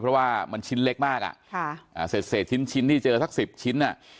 เพราะว่ามันชิ้นเล็กมากอ่ะค่ะอ่าเสร็จเฉดชิ้นชิ้นที่เจอสักสิบชิ้นอ่ะ